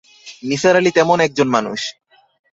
নিসার আলি তেমন এক জন মানুষ।